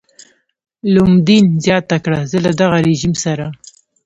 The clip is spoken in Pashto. لومدین زیاته کړه زه له دغه رژیم سره.